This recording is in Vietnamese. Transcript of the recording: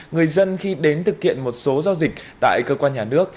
người dân khi đến thực hiện một số giao dịch tại cơ quan nhà nước